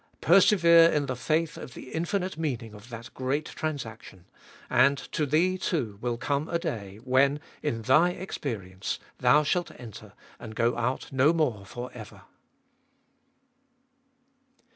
Persevere in the faith of the infinite meaning of that great transaction. And to thee, too, will come a day when, in thy experience, thou shalt enter, and go out no more for ever.